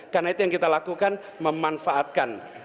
karena itu yang kita lakukan memanfaatkan